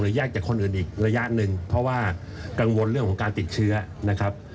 แยกจากคนอื่นอีกระยะหนึ่งเพราะว่ากังวลเรื่องของการติดเชื้อนะครับ